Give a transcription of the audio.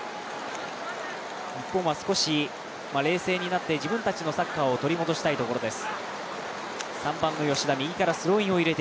日本は少し冷静になって自分たちのサッカーを取り戻したいところです。